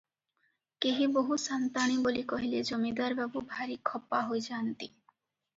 କେହି ବୋହୁ ସାନ୍ତାଣୀ ବୋଲି କହିଲେ ଜମିଦାର ବାବୁ ଭାରି ଖପା ହୋଇଯାଆନ୍ତି ।